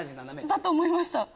だと思いました。